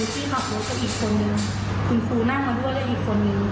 คุณแม่ติดใจเรื่องอะไรครับตอนนี้